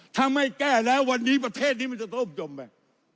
ถ้าไม่แก้แล้ววันนี้ประเทศนี้มันจะโต้มจมไป